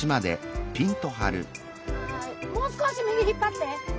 ・もう少し右引っ張って。